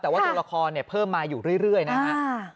แต่ว่าตัวละครเนี่ยเพิ่มมาอยู่เรื่อยนะครับ